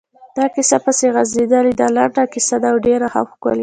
دا کیسه پسې غځېدلې ده، لنډه کیسه ده او ډېره هم ښکلې.